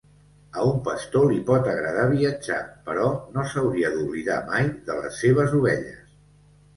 A un pastor li pot agradar viatjar, però no s'hauria d'oblidar mai de les seves ovelles.